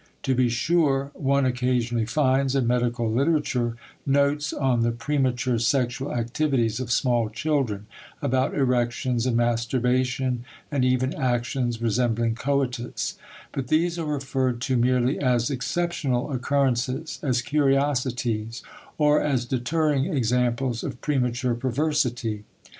To be sure, one occasionally finds in medical literature notes on the premature sexual activities of small children, about erections and masturbation and even actions resembling coitus, but these are referred to merely as exceptional occurrences, as curiosities, or as deterring examples of premature perversity.